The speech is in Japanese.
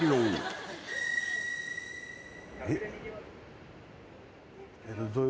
えっ？